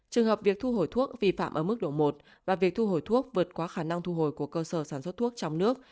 trường hợp việc thu hồi thuốc vi phạm ở mức độ một và việc thu hồi thuốc vượt quá khả năng thu hồi của cơ sở sản xuất thuốc trong nước